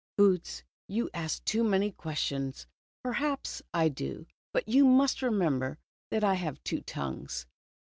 " Boots, you ask too many questions." " Perhaps I do, but you must remember that I have two tongues."